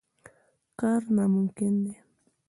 کار ناممکن دی.